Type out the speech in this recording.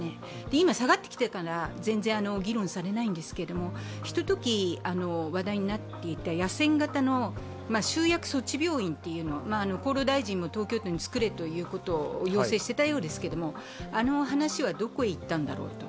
今、下がってきたから全然議論されないんですけれども、ひととき、話題になっていた野戦型の集約措置病院、厚労大臣も東京都につくれと要請していたようですけどあの話はどこへいったんだろうと。